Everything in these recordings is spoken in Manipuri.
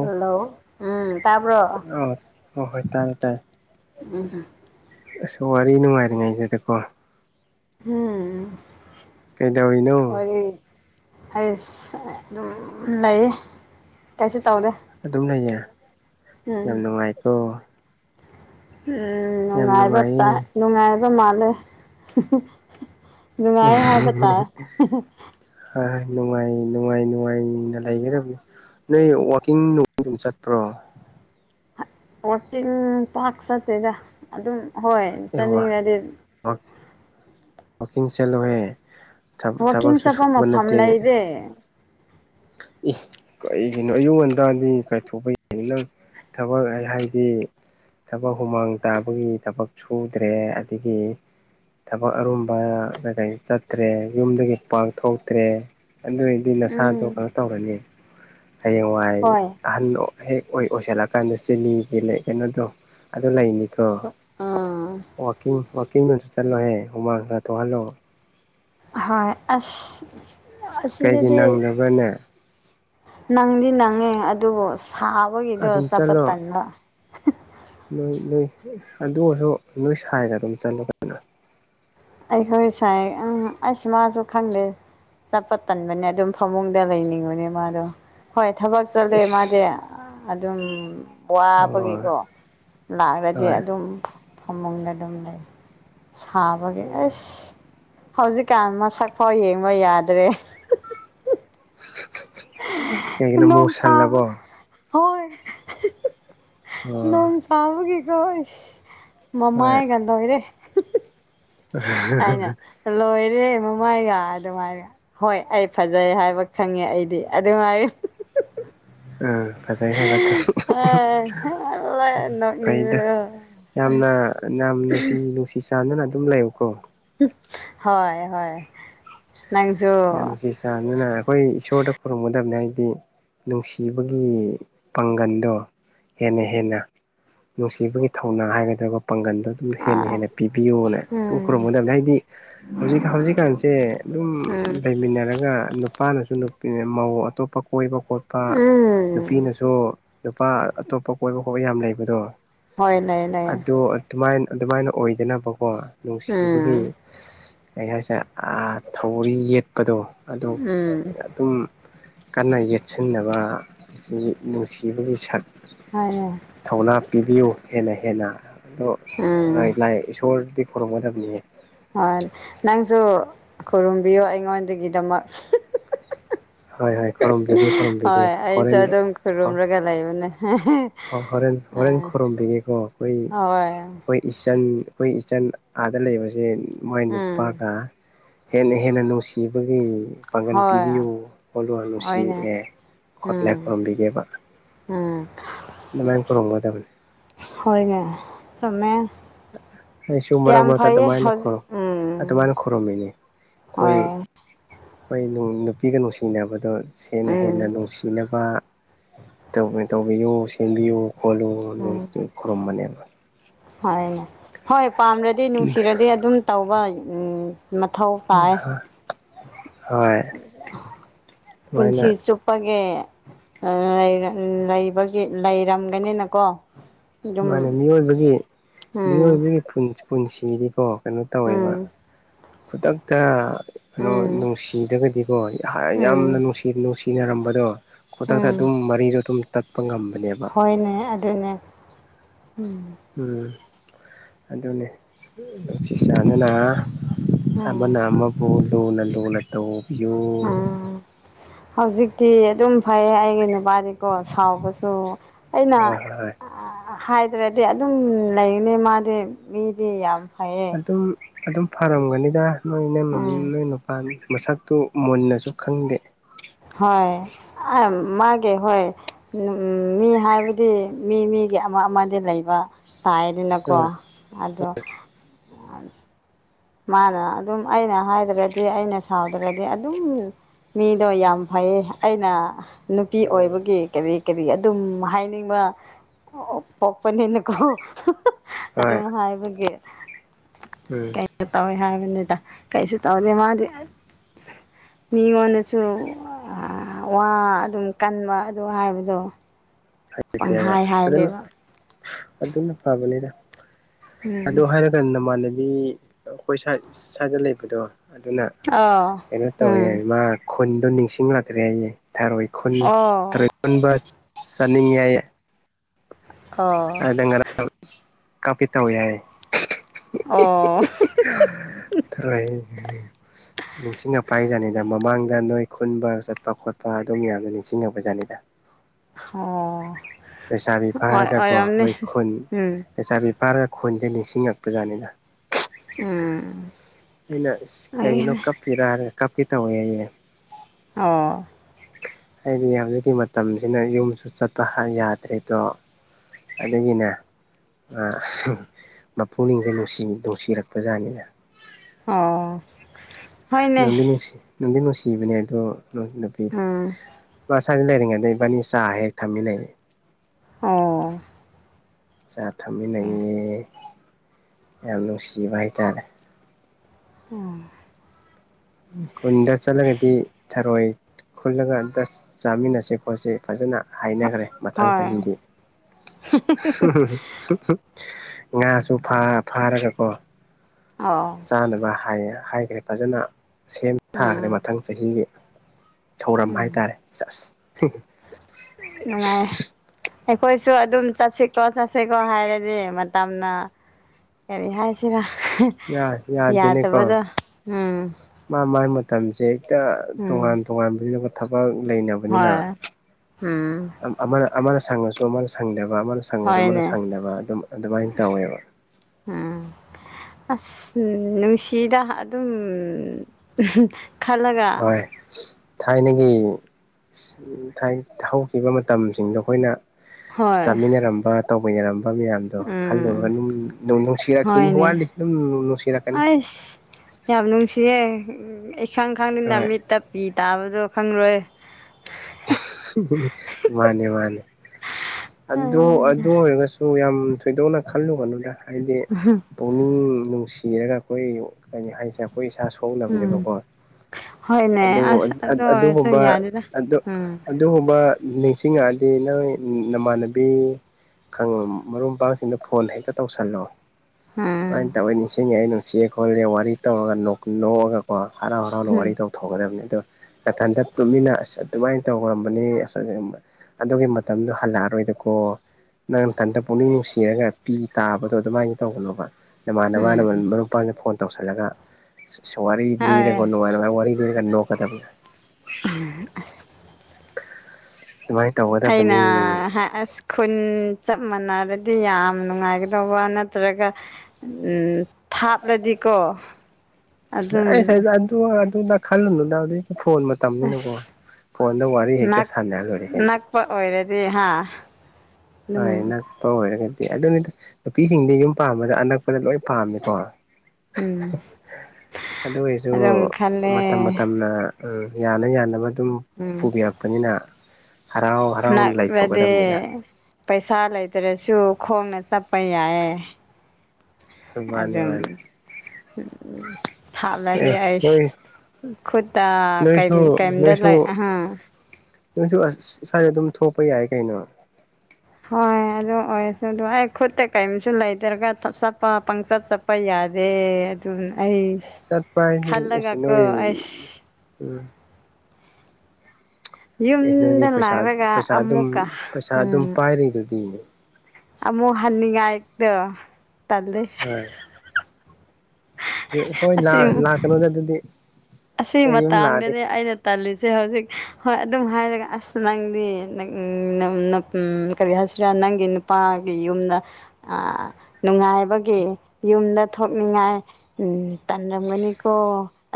ꯍꯜꯂꯣ ꯎꯝ ꯇꯥꯕ꯭ꯔꯣ ꯍ ꯍꯣꯏ ꯇꯥ ꯇꯥꯏ ꯑꯍ [inaudible] ꯑꯁ ꯋꯥꯔꯤ ꯅꯨꯡꯉꯥꯏꯔꯤꯉꯩꯁꯤꯗꯀꯣ ꯎꯝ ꯀꯩꯗꯧꯔꯤꯅꯣ ꯋꯥꯔꯤ ꯑꯩꯁ ꯑꯗꯨꯝ ꯂꯩ ꯀꯩꯁꯨ ꯇꯧꯗꯦ ꯑꯗꯨꯝ ꯂꯩꯌꯦ ꯁꯤ ꯌꯥꯝ ꯎꯝ ꯅꯨꯡꯉꯥꯏꯀꯣ ꯎꯝ ꯌꯥꯝ ꯅꯨꯡꯉꯥꯏꯕ ꯇꯥꯏ ꯅꯨꯡꯉꯥꯏꯌꯦ ꯅꯨꯡꯉꯥꯏꯕ ꯃꯥꯜꯂꯦ ꯅꯨꯡꯃ ꯍꯥꯏꯕꯇꯥ ꯑ ꯅꯨꯡꯉꯥꯏ ꯅꯨꯡꯉꯥꯏ ꯅꯨꯡꯉꯥꯏꯅ ꯂꯩꯒꯗꯕꯅꯤ ꯅꯣꯏ ꯋꯥꯋꯥꯛꯀꯤꯡ ꯑꯗꯨꯝ ꯆꯠꯄ꯭ꯔꯣ ꯋꯥꯇꯤꯡ ꯄꯥꯥꯛꯁꯇꯦꯗ ꯑꯗꯨꯝ ꯍꯣꯏ ꯆꯅꯤꯗꯤ ꯋꯥꯋꯀꯤꯡ ꯆꯠꯂꯨꯍꯦ ꯋꯥꯛꯀꯤꯡ ꯊꯕꯛꯁꯨ ꯆꯠꯄ ꯁꯨꯕ ꯃꯐꯝ ꯅꯠꯇꯦ ꯂꯩꯗꯦ ꯏ ꯀꯩꯒꯤꯅꯣ ꯑꯌꯨꯛ ꯉꯟꯇꯥꯗꯤ ꯀꯥꯏꯊꯣꯛꯄ ꯌꯥꯏꯅꯤ ꯅꯪ ꯊꯕꯛ ꯍꯥꯏꯗꯤ ꯊꯕꯛ ꯍꯨꯃꯥꯡ ꯇꯥꯕꯒꯤ ꯊꯕꯛ ꯁꯨꯗ꯭ꯔꯦ ꯑꯗꯒꯤ ꯊꯕꯛ ꯑꯔꯨꯝꯕ ꯀꯩꯀꯩ ꯆꯠꯇ꯭ꯔꯦ ꯌꯨꯝꯗꯒꯤ ꯄꯥꯛ ꯊꯣꯛꯇ꯭ꯔꯦ ꯑꯗꯨ ꯑꯣꯏꯔꯗꯤ ꯅꯁꯥꯗꯣ ꯎꯝ ꯀꯩꯅꯣ ꯇꯧꯔꯅꯤ ꯍꯌꯦꯡꯋꯥꯏ ꯍꯣꯏ ꯑꯍꯟ ꯍꯦꯛ ꯑꯣꯏ ꯑꯣꯏꯁꯜꯂꯀꯥꯟꯗ ꯆꯤꯂꯤꯒꯤ ꯀꯩꯅꯣꯗꯣ ꯑꯗꯨ ꯂꯩꯅꯤ ꯑꯣ ꯎꯝ ꯋꯥꯋꯥꯛꯀꯤꯡ ꯋꯥꯋꯥꯛꯀꯤꯡ ꯂꯣꯝꯁꯨ ꯆꯠꯂꯣꯍꯦ ꯍꯨꯃꯥꯡ ꯈꯔ ꯊꯣꯛꯍꯜꯂꯣ ꯍꯣꯏ ꯑꯁ ꯀꯩꯒꯤ ꯑꯁꯤꯗꯗꯤ ꯅꯪꯗꯕꯅ ꯅꯪꯗꯤ ꯅꯪꯉꯦ ꯑꯗꯨꯕꯨ ꯁꯥꯕꯒꯤꯗꯣ ꯑꯗꯨꯝ ꯆꯠꯄ ꯆꯠꯂꯣ ꯇꯟꯕ ꯅꯣꯏ ꯅꯣꯏ ꯑꯗꯨ ꯑꯣꯏꯔꯁꯨ ꯅꯣꯏ ꯁꯥꯏꯒ ꯑꯗꯨꯝ ꯆꯠꯂꯅ ꯏꯁꯥꯏ ꯎꯝ ꯑꯁꯨ ꯃꯥꯁꯨ ꯈꯪꯂꯦ ꯆꯠꯄ ꯇꯟꯕꯅꯦ ꯑꯗꯨꯝ ꯐꯃꯨꯡꯗ ꯂꯩꯅꯤꯡꯕꯅꯦ ꯃꯥꯗꯣ ꯍꯣꯏ ꯊꯕꯛ ꯆꯠꯂꯦ ꯏꯁ ꯃꯥꯗꯤ ꯑꯗꯨꯝ ꯍꯣꯏ ꯋꯥꯕꯒꯤꯀꯣ ꯂꯥꯛꯑꯔꯗꯤ ꯍꯣꯏ ꯑꯗꯨꯝ ꯐꯃꯨꯡꯗ ꯑꯗꯨꯝ ꯂꯩ ꯁꯥꯕꯒꯤ ꯎꯝ ꯑꯁ ꯍꯧꯖꯤꯛꯀꯥꯟ ꯃꯁꯛ ꯐꯥꯎ ꯌꯦꯡꯕ ꯌꯥꯗ꯭ꯔꯦ ꯍꯛ ꯍꯛ ꯍꯛ ꯀꯩꯒꯤꯅꯣ [inaudible] ꯅꯣꯡ ꯁꯥꯕ ꯃꯨꯁꯜꯂꯕꯣ ꯑꯣꯔ ꯍꯤ ꯍꯤ ꯍꯤ ꯑꯣ ꯅꯣꯡ ꯆꯥꯕꯒꯤꯀꯣ ꯍꯣꯏ ꯃꯃꯥꯢ ꯒ ꯅꯣꯏꯔꯦ [inaudible] ꯑꯩꯅ ꯂꯣꯏ ꯔꯦ.. ꯃꯃꯥꯏꯒ ꯑꯗꯨꯃꯥꯏ ꯍꯣꯏ ꯑꯩ ꯐꯖꯩ ꯍꯥꯏꯕ ꯈꯪꯉꯦ ꯑꯩꯗꯤ ꯑꯗꯨꯃꯥꯏ ꯍꯨ ꯍꯨ ꯍꯛ ꯍꯛ ꯑꯥ ꯐꯖꯩ ꯍꯥꯏꯕ ꯈꯜ ꯎꯍꯨꯝ ꯎꯍꯨꯝ ꯑꯦ ꯂꯣꯏ ꯎꯍꯨꯝ ꯐꯩꯗ ꯅꯣꯛꯅꯤꯡꯕꯗꯣ ꯌꯥꯝꯅ ꯌꯥꯝ ꯅꯨꯡꯁꯤ ꯅꯨꯡꯁꯤ ꯆꯥꯟꯅꯅ ꯑꯗꯨꯝ ꯂꯩꯌꯨꯀꯣ꯫ ꯍꯣꯏ ꯍꯣꯏ꯫ ꯅꯪꯁꯨ ꯌꯥꯝ ꯅꯨꯡꯁꯤ ꯆꯥꯟꯅꯅ ꯍꯣꯏ ꯏꯁꯣꯔꯗ ꯄꯨꯔꯝꯃꯗꯝꯅꯦ ꯗꯤ ꯅꯨꯡꯁꯤꯕꯒꯤ ꯄꯥꯡꯒꯟꯗꯣ ꯍꯦꯟꯅ ꯍꯦꯟꯅ ꯅꯨꯡꯁꯤꯕꯒꯤ ꯊꯧꯅꯥ ꯍꯥꯏꯒꯗꯕ ꯄꯥꯡꯒꯟꯗꯣ ꯗꯨꯝ ꯍꯦꯟꯅ ꯑꯥ ꯍꯦꯟꯅ ꯄꯤꯕꯤꯌꯣꯅ ꯗꯨꯝ ꯎꯝ ꯈꯨꯔꯨꯝꯒꯗꯝꯅꯦ ꯍꯥꯏꯗꯤ ꯍꯧꯖꯤꯛ ꯍꯧꯖꯤꯛ ꯀꯥꯟꯁꯦ ꯗꯨꯝ ꯎꯝ ꯂꯩꯃꯤꯟꯅꯔꯒ ꯅꯨꯄꯥꯅꯁꯨ ꯅꯨꯄꯤ ꯃꯧ ꯑꯇꯣꯞꯄ ꯀꯣꯏꯕ ꯑꯣꯠꯄ ꯎꯝ ꯅꯨꯄꯤꯅꯁꯨ ꯅꯨꯄꯥ ꯑꯇꯣꯞꯄ ꯀꯣꯏꯕ ꯍꯣꯢ ꯌꯥꯝ ꯂꯩꯕꯗꯣ ꯍꯣꯏ ꯂꯩ ꯂꯩ ꯑꯗꯣ ꯑꯗꯨꯃꯥꯏ ꯑꯗꯨꯃꯥꯏꯅ ꯑꯣꯏꯗꯅꯕꯀꯣ ꯅꯨꯡꯁꯤꯕꯒꯤ ꯎꯝ ꯀꯩ ꯍꯥꯏꯁꯦ ꯑꯥꯥ ꯊꯧꯔꯤ ꯌꯦꯠ ꯀꯗꯣ ꯑꯗꯨ ꯎꯝ ꯗꯨꯝ ꯀꯟꯅ ꯌꯦꯠꯁꯤꯟꯅꯕ ꯁꯤ ꯅꯨꯡꯁꯤꯕꯒꯤ ꯁꯛ ꯍꯣꯏ ꯊꯧꯅꯥ ꯄꯤꯕꯤꯌꯨ ꯍꯦꯟꯅ ꯍꯦꯟꯅ ꯑꯗꯣ ꯂꯥꯏ ꯎꯝ ꯂꯥꯏ ꯏꯁꯣꯔꯗꯤ ꯈꯨꯔꯨꯝꯒꯗꯕꯤꯌꯦ ꯍꯣꯏ ꯅꯪꯖꯨ ꯈꯨꯔꯨꯝꯕꯤꯌꯣ ꯑꯩꯉꯣꯟꯗꯒꯤꯗꯃꯛ ꯍꯣꯏ ꯍꯣꯏ ꯈꯨꯔꯨꯝꯕꯤꯒꯦ ꯈꯨꯔꯨꯝꯕꯤꯒꯦ ꯍꯣꯏ ꯑꯩꯁꯨ ꯍꯣꯔꯦꯟ ꯑꯗꯨꯝ ꯍꯣ ꯈꯨꯔꯨꯝꯔꯒ ꯂꯩꯕꯅꯦ ꯍꯣꯔꯦꯟ ꯍꯣꯔꯦꯟ ꯑꯥ ꯈꯨꯔꯨꯝꯕꯤꯒꯦꯀꯣ ꯑꯩꯈꯣꯏ ꯍꯣꯏ ꯑꯩꯈꯣꯏ ꯏꯆꯟ ꯈꯣꯏ ꯏꯆꯟ ꯑꯥꯗ ꯂꯩꯕꯁꯦ ꯃꯥꯏ ꯎꯝ ꯅꯨꯄꯥꯒ ꯍꯦꯟꯅ ꯍꯦꯟꯅ ꯅꯨꯡꯁꯤꯕꯒꯤ ꯄꯥꯡꯒꯟ ꯍꯣꯏ ꯄꯤꯕꯤꯌꯨ ꯍꯣꯂꯨ ꯍꯣꯏꯅꯦ ꯅꯨꯡꯁꯤꯌꯦ ꯈꯣꯠꯂꯦ ꯎꯝ ꯈꯣꯔꯝꯕꯤꯒꯦꯕ ꯎꯝ꯫ ꯗꯨꯃꯥꯏ ꯈꯨꯔꯨꯝꯒꯗꯕꯅꯦ ꯍꯣꯏꯅꯦ ꯆꯨꯝꯃꯦ ꯑꯩꯁꯨ ꯃꯔꯛ ꯌꯥꯝ ꯃꯔꯛꯇ ꯐꯩꯌꯦ ꯑꯗꯨꯃꯥꯏꯅ ꯍꯧꯖꯤꯛ ꯈꯨꯔꯨꯝ ꯑꯗꯨꯃꯥꯏꯅ ꯈꯨꯔꯨꯝꯃꯤꯅꯤ ꯍꯣꯢꯑꯦ ꯍꯣꯏ ꯅꯨ ꯅꯨꯄꯤꯒ ꯅꯨꯡꯁꯤꯅꯕꯗꯣ ꯁꯦꯅ ꯍꯦꯟꯅ ꯎꯝ ꯅꯨꯡꯁꯤꯅꯕ ꯇꯧꯕꯤ ꯇꯧꯕꯤꯌꯨ ꯁꯦꯟꯕꯤꯌꯨ ꯈꯣꯠꯂꯨ ꯎꯝ [inaudible] ꯈꯨꯔꯨꯝꯕꯅꯦꯕ꯫ ꯍꯣꯏꯅꯦ ꯍꯣꯏ ꯄꯥꯝꯔꯗꯤ ꯅꯨꯡꯁꯤꯔꯗꯤ ꯑꯗꯨꯝ ꯇꯧꯕ ꯎꯝ ꯃꯊꯧ ꯇꯥꯏ꯫ ꯍꯣꯏ ꯑꯗꯨꯃꯥꯏꯅ ꯄꯨꯟꯁꯤ ꯆꯨꯞꯄꯒꯦ ꯑ ꯂꯩꯕ ꯂꯩꯕꯒꯤ ꯂꯩꯔꯝꯒꯅꯤꯅꯀꯣ ꯃꯥꯅꯦ ꯑꯗꯨꯝ ꯃꯤꯑꯣꯏꯕꯒꯤ ꯎꯝ ꯃꯤꯑꯣꯏꯕꯒꯤ ꯄꯨꯟꯁ ꯄꯨꯟꯁꯤꯗꯤꯀꯣ ꯀꯩꯅꯣ ꯇꯧꯋꯦꯕ ꯎꯝ ꯈꯨꯗꯛꯇ ꯅꯣ ꯎꯝ ꯅꯨꯡꯁꯤꯗꯒꯗꯤꯀꯣ ꯌꯥ ꯌꯥꯝꯅ ꯎꯝ ꯅꯨꯡꯁꯤ ꯅꯨꯡꯁꯤꯅꯔꯝꯕꯗꯣ ꯈꯨꯗꯛꯇ ꯎꯝ ꯑꯗꯨꯝ ꯃꯔꯤ ꯖꯨ ꯑꯗꯨꯝ ꯇꯠꯄ ꯉꯝꯕꯅꯦꯕ ꯍꯣꯏꯅꯦ ꯑꯗꯨꯅꯦ ꯎꯝ ꯎꯝ ꯑꯗꯨꯅꯦ ꯅꯨꯡꯁꯤ ꯆꯥꯟꯅꯅ ꯑꯃꯅ ꯎꯝ ꯑꯃꯕꯨ ꯂꯨ ꯅꯥ ꯂꯨꯅ ꯇꯧꯕꯤꯌꯨ ꯇꯤ ꯑꯗꯨꯝ ꯐꯩ ꯑꯩꯒꯤ ꯅꯨꯄꯥꯗꯤꯀꯣ ꯁꯥꯎꯕꯁꯨ ꯑꯩꯅ ꯍꯣꯏ ꯍꯣꯏ ꯍꯥꯏꯗ꯭ꯔꯗꯤ ꯑꯗꯨꯝ ꯂꯩꯅꯤ ꯃꯥꯗꯤ ꯃꯤꯗꯤ ꯌꯥꯝ ꯐꯩꯌꯦ ꯑꯗꯨꯝ ꯑꯗꯨꯝ ꯐꯔꯝꯒꯅꯤꯗ ꯅꯣꯏ [inaudible] ꯎꯝ ꯅꯣꯏ ꯅꯨꯄꯥꯅꯤ ꯃꯁꯛꯇꯨ ꯃꯨꯟꯅꯁꯨ ꯈꯪꯗꯦ ꯍꯣꯏ ꯑ ꯃꯥꯒꯤꯦ ꯍꯣꯏ ꯃꯤ ꯍꯥꯏꯕꯗꯤ ꯃꯤ ꯃꯤ ꯒꯤ ꯑꯃ ꯑꯃꯗꯤ ꯂꯩꯕ ꯇꯥꯏꯗꯅꯀꯣ ꯍꯣꯏ ꯑꯗꯣ ꯃꯥꯅ ꯑꯗꯨꯝ ꯑꯩꯅ ꯍꯥꯏꯗ꯭ꯔꯗꯤ ꯑꯩꯅ ꯁꯥꯎꯗ꯭ꯔꯗꯤ ꯑꯗꯨꯝ ꯃꯤꯗꯣ ꯌꯥꯝ ꯐꯩꯌꯦ ꯑꯩꯅ ꯅꯨꯄꯤ ꯑꯣꯏꯕꯒꯤ ꯀꯔꯤ ꯀꯔꯤ ꯑꯗꯨꯝ ꯍꯥꯏꯅꯤꯡꯕ ꯄꯣꯛꯄꯅꯤꯅꯀꯣ ꯑꯗꯨꯝ ꯍꯥꯏꯕꯒꯤꯦ ꯎꯝ ꯇꯧꯋꯦ ꯍꯥꯏꯕꯅꯤꯗ ꯀꯩꯁꯨ ꯇꯧꯗꯦ ꯃꯥꯗꯤ ꯃꯤꯉꯣꯟꯗꯁꯨ ꯋꯥ ꯑꯗꯨꯝ ꯀꯟꯕ ꯑꯗꯨ ꯍꯥꯏꯕꯗꯣ ꯍꯩꯇꯦꯕ ꯄꯪꯍꯥꯏ ꯍꯥꯏꯥꯏ ꯑꯗꯨꯅ ꯂꯩꯦꯕ ꯑꯗꯨꯅ ꯐꯕꯅꯤꯅ ꯎꯝ ꯑꯣ ꯍꯥꯏꯔꯀꯥꯟꯗꯃꯥꯟꯅꯕꯤ ꯃꯤ ꯑꯩꯈꯣꯏ ꯁ꯭ꯋꯥꯏꯗ ꯂꯩꯕꯗꯣ ꯑꯗꯨꯅ ꯑꯥ ꯀꯩꯅꯣ ꯇꯧꯋꯦ ꯎꯝ ꯃꯥ ꯈꯨꯟꯗꯣ ꯅꯤꯡꯁꯤꯡꯂꯛꯛꯇ꯭ꯔꯦ ꯍꯥꯏꯌꯦ ꯊꯔꯣꯏ ꯈꯨꯟ ꯑꯣ ꯊꯔꯣꯏ ꯈꯨꯟꯕ ꯆꯥꯅꯤꯡꯏ ꯑꯣ ꯀꯥꯞꯄꯤ ꯇꯧꯕ ꯌꯥꯏ ꯑꯣ ꯊꯔꯣꯏ ꯅꯤꯡꯁꯤꯡꯉꯛꯄ ꯍꯥꯏꯖꯥꯠꯅꯤꯗ ꯃꯃꯥꯡꯗ ꯅꯣꯏ ꯈꯨꯟꯕ ꯆꯠꯄ ꯈꯣꯠꯄ ꯑꯗꯨ ꯃꯌꯥꯝꯗꯣ ꯅꯤꯡꯁꯤꯡꯉꯛꯄꯖꯠꯅꯤꯗ [unintelligible] ꯑꯣ ꯂꯩꯁꯥꯕꯤꯐꯔ ꯑꯣꯏ ꯀꯒꯣ ꯑꯣꯏꯔꯝꯅꯤ ꯃꯩꯈꯟ ꯎꯝ ꯂꯩꯁꯥꯕꯤꯐꯔ ꯈꯨꯣꯏꯗ ꯅꯤꯡꯁꯤꯡꯉꯛꯄꯖꯥꯠꯅꯤꯅ ꯎꯝ ꯑꯩꯅ ꯀꯩꯒꯤꯅꯣ ꯑꯣꯏꯒꯅꯤ ꯀꯞꯄꯤꯔꯛꯔꯦ ꯀꯞꯀꯦ ꯇꯧꯋꯦ ꯍꯥꯏꯦ ꯑꯣ ꯍꯥꯏꯗꯤ ꯍꯧꯖꯤꯛꯀꯤ ꯃꯇꯝꯁꯤꯅ ꯌꯨꯝꯁꯨ ꯆꯠꯄ ꯌꯥꯗ꯭ꯔꯦꯗꯣ ꯑꯗꯨꯒꯤꯅꯦ ꯃꯄꯨꯅꯤꯡꯁꯦ ꯅꯨꯡꯁꯤ ꯅꯨꯡꯁꯤꯔꯛꯄꯖꯥꯠꯅꯤꯅ ꯑꯣꯞ ꯅꯅꯨꯡꯗꯤ ꯅꯨꯡꯁꯤ ꯅꯅꯨꯡꯗꯤ ꯅꯨꯡꯁꯤꯕꯅꯦ ꯍꯥꯏꯗꯣ ꯅꯨꯄꯤꯗꯣ ꯎꯝ ꯂꯁꯥꯅ ꯂꯩꯔꯤꯉꯩꯗꯩ ꯏꯕꯥꯅꯤ ꯆꯥ ꯍꯦꯛ ꯊꯝꯃꯤ ꯂꯩꯦ ꯑꯣ ꯆꯥ ꯑꯦ ꯊꯛꯃꯤꯟꯅꯩꯌꯦ ꯌꯥꯝ ꯅꯨꯡꯁꯤꯕ ꯍꯥꯏꯇꯥꯔꯦ ꯎꯝ ꯈꯨꯟꯗ ꯆꯠꯂꯒꯗꯤ ꯊꯔꯣꯏ ꯈꯨꯜꯂꯒ ꯑꯝꯇ ꯆꯥꯃꯤꯟꯅꯁꯦ ꯈꯣꯠꯁꯦ ꯐꯖꯅ ꯍꯥꯏꯅꯈ꯭ꯔꯦ ꯃꯊꯪ ꯍꯣꯏ ꯆꯍꯤꯗꯤ ꯉꯥꯁꯨ ꯐꯥꯔꯒꯀꯣ ꯑꯣ ꯆꯥꯅꯕ ꯍꯥꯏ ꯍꯥꯏꯈ꯭ꯔꯦ ꯐꯖꯅ ꯁꯦꯝ ꯁꯥꯥꯈ꯭ꯔꯦ ꯎꯝ ꯃꯊꯪ ꯆꯍꯤꯒꯤ ꯊꯧꯔꯝ ꯎꯝ ꯍꯥꯏꯇꯥꯔꯦ ꯆꯁ ꯅꯨꯡꯉꯥꯏ ꯑꯩꯈꯣꯏꯁꯨ ꯑꯗꯨꯝ ꯆꯠꯁꯤꯀꯣ ꯆꯠꯁꯤꯀꯣ ꯍꯥꯏꯔꯗꯤ ꯃꯇꯝꯅ ꯑꯦꯔꯤ ꯍꯥꯏꯥꯏꯆꯦꯔꯥ ꯌꯥ ꯌꯥꯗꯅꯦꯀꯣ ꯎꯝ ꯃꯥꯃꯥꯏ ꯃꯇꯝꯁꯦ ꯍꯦꯛꯇ ꯎꯝ ꯇꯣꯉꯥꯟ ꯇꯣꯉꯥꯟꯕꯒꯤꯗꯕ ꯊꯕꯛ ꯂꯩꯅꯕꯅꯤꯅ ꯍꯣꯏ ꯎꯝ ꯑꯃꯅ ꯑꯃꯅ ꯁꯪꯉꯁꯨ ꯑꯃꯅ ꯁꯪꯗꯕ ꯑꯃꯅ ꯁꯪꯉꯁꯨ ꯑꯃꯅ ꯍꯣꯏꯅꯦ ꯁꯪꯗꯕ ꯑꯗꯨꯝ ꯑꯗꯨꯃꯥꯏꯅ ꯇꯧꯋꯦꯕ ꯎꯝ ꯑꯁ ꯅꯨꯡꯁꯤꯗ ꯑꯗꯨꯝ ꯈꯜꯂꯒ ꯍꯣꯏ ꯊꯥꯏꯅꯒꯤ ꯊꯥꯏꯅ ꯍꯧꯈꯤꯕ ꯃꯇꯝꯁꯤꯡꯗꯣ ꯑꯩꯈꯣꯏꯅ ꯍꯣꯏ ꯆꯥꯃꯤꯟꯅꯔꯝꯕ ꯇꯧꯕꯃꯤꯟꯅꯔꯝꯕ ꯃꯌꯥꯝꯗꯣ ꯈꯜꯂꯨꯔꯒ ꯎꯝ ꯅꯨꯡꯁꯤꯔꯛꯈꯤꯅꯤ ꯍꯣꯏꯅꯦ ꯋꯥꯠꯂꯤ ꯑꯗꯨꯝ ꯅꯨꯡꯁꯤꯔꯛꯀꯅꯤ ꯌꯥꯕꯅ ꯁꯦ ꯏꯈꯪ ꯈꯪꯗꯅ ꯍꯣꯏ ꯃꯤꯠꯇ ꯄꯤ ꯇꯥꯕꯗꯣ ꯈꯪꯂꯔꯣꯏ ꯃꯥꯅꯦ ꯃꯥꯅꯦ ꯑꯗꯨ ꯑꯗꯨ ꯑꯣꯏꯔꯒꯁꯨ ꯌꯥꯝ ꯊꯣꯏꯗꯧꯅꯥ ꯈꯜꯂꯨꯒꯅꯗ ꯍꯥꯏꯗꯤ ꯄꯨꯛꯅꯤꯡ ꯅꯨꯡꯁꯤꯔꯒ ꯑꯩꯈꯣꯏ ꯀꯔꯤ ꯍꯥꯏꯁꯤꯔ ꯑꯩꯈꯣꯏ ꯏꯁꯥ ꯎꯝ ꯁꯣꯛꯅꯕꯅꯦꯕꯀꯣ ꯍꯣꯏꯅꯦ ꯑꯗꯨꯕꯨ ꯑꯁ ꯑꯗꯨ ꯑꯣꯏꯔꯁꯨ ꯑꯗꯨꯒꯨꯝꯕ ꯌꯥꯗꯦꯗ ꯎꯝ ꯑꯗꯨ ꯕ ꯅꯤꯡꯁꯤꯡꯉꯛꯑꯗꯤ ꯅꯣꯏ ꯅꯃꯥꯟꯅꯕꯤ ꯈ ꯃꯔꯨꯞ ꯃꯄꯥꯡꯁꯤꯡꯗ ꯐꯣꯟ ꯍꯦꯛꯇ ꯇꯧꯁꯜꯂꯣ ꯑꯗꯨꯃꯥꯏꯅ ꯎꯝ ꯇꯧꯢ ꯅꯤꯡꯁꯤꯡꯉꯦ ꯑꯩ ꯅꯨꯡꯁꯤ ꯈꯣꯠꯂꯦ ꯋꯥꯔꯤ ꯇꯧꯔꯒ ꯅꯣꯛꯑꯒ ꯀꯣ ꯍꯔꯥꯎ ꯍꯔꯥꯎꯅ ꯎꯝ ꯋꯥꯔꯤ ꯇꯧꯊꯣꯛꯒꯗꯕꯅꯤ ꯑꯗꯣ ꯊꯟꯇ ꯇꯨꯝꯃꯤꯟꯅ ꯑꯁ ꯑꯗꯨꯃꯥꯏꯅ ꯇꯧꯔꯝꯕꯅꯤ ꯑꯁ ꯑꯗꯨꯒꯤ ꯃꯇꯝꯗꯣ ꯍꯜꯂꯛꯑꯔꯣꯏꯗꯀꯣ ꯅꯪ ꯅꯊꯟꯗ ꯄꯨꯛꯅꯤꯡ ꯅꯨꯡꯁꯤꯔꯒ ꯄꯤ ꯇꯥꯕꯗꯣ ꯑꯗꯨꯃꯥꯏꯅ ꯇꯧꯒꯅꯣꯕ ꯅꯃꯥꯟꯅꯕꯅ ꯎꯝ ꯃꯔꯨꯞ ꯃꯄꯥꯡꯗ ꯐꯣꯟ ꯇꯧꯁꯤꯜꯂꯒ ꯋꯥꯔꯤ ꯂꯤꯔꯒꯣ ꯍꯣꯏ ꯅꯨꯡꯉꯥꯏ ꯅꯨꯡꯉꯥꯏ ꯋꯥꯔꯤ ꯂꯤꯔꯥ ꯅꯣꯛꯀꯗꯕ ꯑ ꯑꯁ ꯑꯗꯨꯃꯥꯏꯅ ꯑꯩꯅ ꯇꯧꯒꯗꯕꯅꯤ ꯑꯁ ꯈꯨꯟ ꯃꯥꯟꯅꯔꯗꯤ ꯌꯥꯝ ꯅꯨꯡꯉꯥꯏꯒꯗꯧꯕ ꯅꯠꯇ꯭ꯔꯒ ꯎ ꯊꯥꯞꯂꯗꯤ ꯀꯣ ꯑꯩꯁ ꯑꯗꯨ ꯑꯗꯨꯗ ꯈꯜꯂꯨꯅꯨꯗ ꯑꯗꯨꯏ ꯐꯣꯟ ꯃꯇꯝꯅꯤꯅꯤꯅꯀꯣ- ꯑꯁ ꯐꯣꯟꯗ ꯋꯥꯔꯤ ꯍꯦꯛꯇ ꯁꯥꯟꯅꯔ ꯂꯣꯏꯔꯦ ꯀꯩꯅꯣ ꯅꯛꯄ ꯑꯣꯏꯔꯗꯤ ꯍꯥ ꯍ ꯑꯗꯨꯝ ꯏꯛꯇꯣ ꯍꯒꯅꯤ ꯑꯗꯨꯅꯤ ꯅꯨꯄꯤꯁꯤꯡꯗꯤ ꯌꯨꯝ ꯄꯥꯝꯕꯗ ꯑꯅꯛꯄꯗ ꯂꯣꯏ ꯄꯥꯝꯃꯦꯀꯣ ꯎꯝ ꯑꯗꯨ ꯑꯣꯏꯁꯨ ꯑꯗꯨꯝ ꯃꯇꯝ ꯈꯜꯂꯦ ꯃꯇꯝꯅ ꯎꯝ ꯌꯥꯅ ꯌꯥꯅꯕ ꯑꯗꯨꯝ ꯎꯝ ꯄꯨꯕꯤꯔꯛꯄꯅꯤꯅ ꯍꯔꯥꯎ ꯍꯔꯥꯎꯅ ꯅꯛꯔꯗꯤ ꯂꯩꯊꯣꯛꯀꯗꯕꯅꯤꯗ ꯄꯩꯁꯥ ꯂꯩꯇ꯭ꯔꯁꯨ ꯈꯣꯡꯅ ꯆꯠꯄ ꯌꯥꯏꯑꯦ ꯍꯣꯏ ꯃꯥꯅꯦ ꯃꯥꯅꯦ ꯎꯝ ꯊꯥꯞꯂꯗꯤ ꯑꯦ ꯑꯩꯁ ꯅꯣꯏ ꯈꯨꯠꯇ ꯅꯣꯏꯁꯨ ꯀꯩꯝꯗ ꯂꯩ ꯑꯍ ꯅꯁꯨ ꯑꯁꯋꯥꯏꯗ ꯑꯗꯨꯝ ꯊꯣꯛꯄ ꯌꯥꯏ ꯀꯩꯅꯣ ꯍꯣꯏ ꯑꯗꯨ ꯑꯣꯏꯔꯁꯨ ꯑꯗꯨ ꯑꯩ ꯈꯨꯠꯇ ꯀꯩꯝꯁꯨ ꯂꯩꯗ꯭ꯔꯒ ꯆꯠꯄ ꯄꯪꯆꯠ ꯆꯠꯄ ꯌꯥꯗꯦ ꯑꯦ ꯑꯗꯨꯝ ꯑꯩ ꯆꯠꯄ ꯍꯥꯏꯁꯤ ꯈꯜꯂꯒꯀꯣ ꯅꯣꯏ ꯑꯁ ꯎꯝ ꯑꯦ ꯌꯨꯝꯗ ꯅꯣꯏꯗꯤ ꯄꯩꯁꯥ ꯂꯥꯛꯂꯒ ꯄꯩꯁꯥ ꯑꯗꯨꯝ ꯑꯃꯨꯛꯀ ꯄꯩꯁꯥ ꯑꯗꯨꯝ ꯎꯝ ꯄꯥꯏꯔꯤꯗꯨꯗꯤꯅꯦ ꯑꯃꯨꯛ ꯍꯟꯅꯤꯡꯉꯥꯏ ꯇ ꯇꯂꯦ ꯍꯣꯏ ꯍꯣꯏ ꯂ ꯂꯥꯛꯀꯅꯨꯗ ꯑꯗꯨꯗꯤ ꯑꯁꯤ ꯅꯪ ꯌꯨꯝ ꯂꯥꯛꯑꯗꯤ ꯃꯇꯥꯡꯗꯅꯦ ꯑꯩꯅ ꯇꯜꯂꯤ ꯁꯦ ꯍꯧꯖꯤꯛ ꯍꯣꯏ ꯑꯗꯨꯝ ꯍꯥꯏꯔꯒ ꯑꯁ ꯅꯪꯗꯤ ꯅꯪ ꯅꯪ ꯀꯔꯤ ꯍꯥꯏꯁꯤꯔ ꯅꯪꯒꯤ ꯅꯨꯄꯥꯒꯤ ꯌꯨꯝꯗ ꯅꯨꯡꯉꯥꯏꯕꯒꯤ ꯌꯨꯝꯗ ꯊꯣꯛꯅꯤꯡꯉꯥꯏ ꯎꯝ ꯇꯟꯔꯝꯒꯅꯤꯀꯣ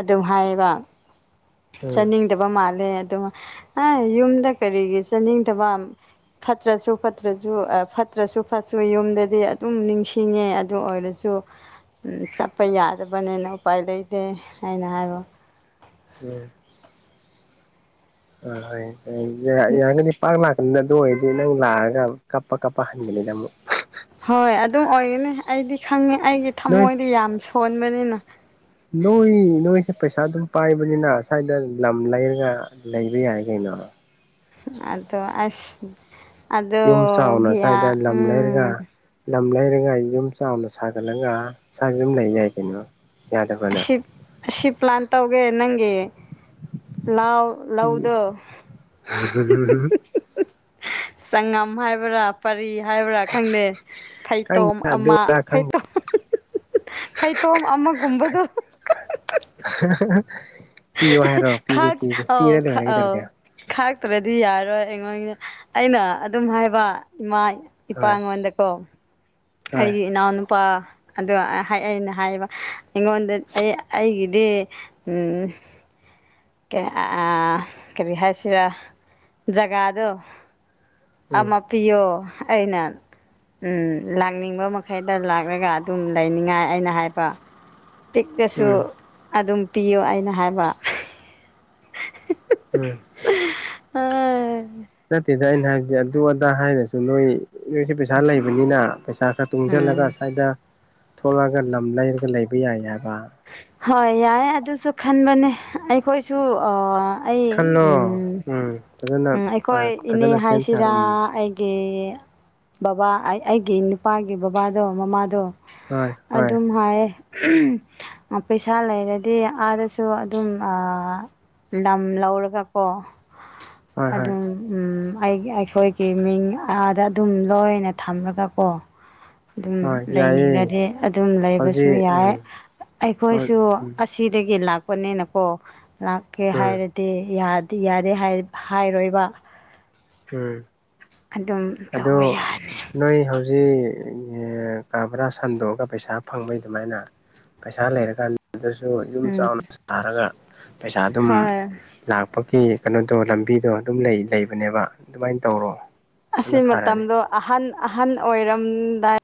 ꯑꯗꯨꯝ ꯍꯥꯏꯕ ꯎꯝ ꯆꯠꯅꯤꯡꯗꯕ ꯃꯥꯜꯂꯦ ꯑꯗꯨ ꯌꯨꯝꯗ ꯀꯔꯤꯒꯤ ꯆꯥꯅꯤꯡꯗꯕ ꯐꯠꯇ꯭ꯔꯁꯨ ꯐꯠꯇ꯭ꯔꯁꯨ ꯑꯥ ꯐꯠꯇ꯭ꯔꯁꯨ ꯐꯠꯁꯨ ꯌꯨꯝꯗꯗꯤ ꯑꯗꯨꯝ ꯅꯤꯡꯁꯤꯡꯉꯦ ꯑꯗꯨ ꯑꯣꯏꯔꯁꯨ ꯎ ꯆꯠꯄ ꯌꯥꯗꯕꯅꯦꯅ ꯎꯄꯥꯏ ꯂꯩꯇꯦ ꯍꯥꯏꯅ ꯍꯥꯏꯕ ꯎꯨꯝ ꯑ ꯍ ꯌꯥꯉꯗꯤ ꯄꯥꯛ ꯂꯥꯛ ꯑꯗꯨ ꯑꯣꯏꯔꯗꯤ ꯅꯪ ꯂꯥꯛꯑꯒ ꯀꯞꯄ ꯀꯞꯄ ꯍꯟꯒꯅꯤꯅ ꯑꯃꯨꯛ ꯍꯣꯏ ꯑꯗꯨꯝ ꯑꯣꯏꯒꯅꯤ ꯑꯩꯗꯤ ꯈꯪꯉꯦ ꯑꯩꯒꯤ ꯅꯣꯏ ꯊꯃꯣꯏꯗꯤ ꯌꯥꯝ ꯁꯣꯟꯕꯅꯤꯅ ꯅꯣꯏ ꯅꯣꯏꯁꯦ ꯄꯩꯁꯥ ꯑꯗꯨꯝ ꯄꯥꯏꯕꯅꯤꯅ ꯁ꯭ꯋꯥꯏꯗ ꯂꯝ ꯂꯩꯔꯒ ꯂꯩꯕ ꯌꯥꯏ ꯀꯩꯅꯣ ꯑꯗꯣ ꯑꯁ ꯑꯗꯣ ꯌꯨꯝ ꯆꯥꯎꯅ ꯌꯥ ꯁ꯭ꯋꯥꯏꯗ ꯂꯝ ꯂꯩꯔꯒ ꯎꯝ ꯂꯝ ꯂꯩꯔꯒ ꯌꯨꯝ ꯆꯥꯎꯅ ꯁꯥꯒꯠꯂꯒ ꯁꯥꯏꯁꯨ ꯑꯗꯨꯝ ꯂꯩ ꯌꯥꯏ ꯀꯩꯅꯣ꯫ ꯌꯥꯗꯕ꯭ꯔꯥ ꯅꯪ ꯑꯁꯤꯞ ꯑꯁꯤꯞ ꯄ꯭ꯂꯥꯟ ꯇꯧꯒꯦ ꯅꯪꯒꯤ꯫ ꯂꯎ ꯎꯝ ꯂꯧꯗꯣ꯫ ꯁꯪꯒꯝ ꯍꯥꯏꯕ꯭ꯔꯥ ꯄꯔꯤ꯫ ꯍꯥꯏꯕ꯭ꯔꯥ ꯈꯪꯗꯦ ꯐꯩꯇꯣꯝ ꯈꯪꯗꯦ ꯑꯃ ꯑꯗꯨꯔ ꯈꯪꯗꯦ ꯐꯩꯇꯣꯝ꯫ ꯐꯩ ꯇꯣꯝ ꯑꯃ꯫ [unintelligible] ꯄꯤꯌꯣ ꯍꯥꯏꯔꯣ ꯄꯤꯒꯦ ꯈꯛ ꯄꯤꯒꯦ ꯑꯧ ꯄꯤꯔ ꯂꯣꯏꯔꯦ ꯑꯧ ꯀꯩꯗꯧꯔꯒꯦ ꯈꯛ꯫ ꯇ꯭ꯔꯗꯤ ꯌꯥꯔꯣꯏ ꯑꯩꯉꯣꯟ ꯑꯩꯅ ꯑꯗꯨꯝ ꯍꯥꯏꯕ ꯏꯃꯥ꯫ ꯍꯣꯏ ꯏꯄꯥꯉꯣꯟꯗꯀꯣ ꯍꯣꯏ ꯑꯩꯒꯤ ꯏꯅꯥꯎ ꯅꯨꯨꯄꯥ꯫ ꯑꯗꯣ ꯑꯩꯅ ꯍꯥꯏꯌꯦꯕ ꯑꯩꯉꯣꯟꯗ ꯑꯩ ꯑꯩꯒꯤꯗꯤ꯫ ꯀꯔꯤ ꯍꯥꯏꯁꯤꯔ ꯖꯒꯥꯗꯣ꯫ ꯎꯝ ꯑꯃꯥꯄꯤꯌꯣ ꯑꯩꯅ꯫ ꯎꯝ ꯂꯥꯛꯅꯤꯡꯕ ꯃꯈꯩꯗ ꯂꯥꯛꯂꯒ ꯑꯗꯨꯝ ꯂꯩꯅꯤꯡꯉꯥꯏ ꯑꯩꯅ ꯍꯥꯏꯕ꯫ ꯄꯤꯛꯑꯁꯨ ꯎꯝ ꯑꯗꯨꯝ ꯄꯤꯌꯨ ꯑꯩꯅ ꯍꯥꯏꯕ꯫ ꯎꯝ ꯅꯠꯇꯦ꯫ ꯗ ꯑꯩꯅ ꯍꯥꯏꯕꯗꯤ ꯑꯗꯨ ꯑꯗꯥ ꯍꯥꯏꯔꯁꯨ ꯅꯣꯏ꯫ ꯃꯤꯁꯨ ꯄꯩꯁꯥ ꯂꯩꯕꯅꯤꯅ ꯄꯩꯁꯥ ꯈꯔ ꯇꯨꯡꯁꯤꯜꯂꯒ ꯎꯝ ꯁ꯭ꯋꯥꯏꯗ꯫ ꯊꯣꯛꯂꯛꯑꯒ ꯂꯝ ꯂꯩꯥꯔꯒ ꯂꯩꯕ ꯌꯥꯏꯍꯥꯢꯕ꯫ ꯍꯣꯏ ꯌꯥꯏ ꯑꯗꯨꯁꯨ ꯈꯟꯕꯅꯦ ꯑꯩꯈꯣꯏꯁꯨ꯫ ꯑꯩ ꯈꯜꯂꯣ ꯎꯝ ꯐꯖꯅ ꯑꯩꯈꯣꯏ ꯏꯅꯦ ꯐꯖꯅ ꯁꯦꯝ ꯍꯥꯏꯁꯤꯔꯥ ꯁꯥꯔꯣ ꯎꯝ ꯑꯩꯒꯤ꯫ ꯕꯕꯥ ꯑꯩꯒꯤ ꯅꯨꯄꯥꯒꯤ ꯕꯕꯥꯗꯣ ꯃꯃꯥꯗꯣ꯫ ꯍꯣꯏ ꯍꯣꯏ ꯑꯗꯨꯝ ꯍꯥꯏ꯫ ꯄꯩꯁꯥ ꯂꯩꯔꯗꯤ ꯑꯥꯗꯁꯨ ꯑꯗꯨꯝ꯫ ꯂꯝ ꯂꯧꯔꯒꯀꯣ ꯍꯣꯏ ꯍꯣꯏ ꯑꯗꯨꯝ ꯎꯝ꯫ ꯑꯩꯒꯤ ꯑꯩꯈꯣꯏꯒꯤ ꯃꯤꯡ ꯑꯥꯗ ꯑꯗꯨꯝ ꯂꯣꯏꯅ ꯊꯝꯂꯒꯀꯣ꯫ ꯑꯗꯨꯝ ꯍꯣꯏ ꯂꯩꯅꯤꯡ ꯌꯥꯏꯌꯦ ꯉꯗꯤ ꯑꯗꯨꯝ ꯂꯩꯕꯁꯨ ꯍꯧꯖꯤꯛ ꯌꯥꯏ꯫ ꯎꯝ ꯍꯣꯏ ꯑꯩꯈꯣꯏꯁꯨ ꯎꯝ ꯑꯁꯤꯗꯒꯤ ꯂꯥꯛꯄꯅꯤꯅꯀꯣ ꯂꯥꯛꯀꯦ ꯎꯝ ꯍꯥꯏꯔꯗꯤ꯫ ꯇꯤ ꯌꯥꯗꯦ ꯍꯥꯏꯔꯣꯏꯕ꯫ ꯍꯝ꯫ ꯑꯗꯨꯝ ꯇꯧꯕ ꯌꯥꯅꯤ꯫ [unintelligible] ꯀꯥ ꯕꯔꯥ ꯁꯟꯗꯣꯛꯑꯒ ꯄꯩꯁꯥ ꯐꯪꯕꯩ ꯑꯗꯨꯃꯥꯏꯅ ꯄꯩꯁꯥ ꯂꯩꯔꯀꯥꯟꯗ꯫ ꯑꯗꯨꯁꯨ ꯌꯨꯝ ꯎꯝ ꯆꯥꯎꯅ ꯁꯥꯔꯒ ꯄꯩꯁꯥ ꯑꯗꯨꯝ ꯍꯣꯏ ꯂꯥꯛ꯫ ꯊꯕꯛꯀꯤ ꯀꯩꯅꯣꯗꯣ ꯂꯝꯕꯤꯗꯣ ꯑꯗꯨꯝ ꯂꯩ ꯂꯩꯕꯅꯦꯕ ꯑꯗꯨꯃꯥꯏꯅ ꯇꯧꯔꯣ꯫ ꯑꯁꯤ ꯑꯗꯨꯅ ꯐꯔꯅꯤ ꯃꯇꯝꯗꯣ ꯑꯍꯟ ꯑꯍꯟ ꯑꯣꯏꯔꯝꯗꯥꯏ꯫